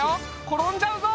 転んじゃうぞ。